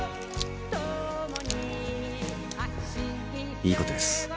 いいことです。